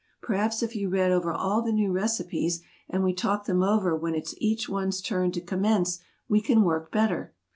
"Perhaps, if you read over all the new recipes, and we talk them over when its each one's turn to commence, we can work better."